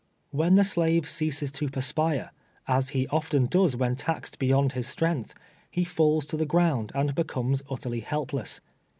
When the slave ceases to perspire, as he often does when taxed beyond his strength, he falls to the ground and becomes entirely lielj^less.